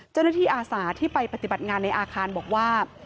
เจ้าหน้าที่อาสาที่ไปปฏิบัติงานในอาคารบอกว่า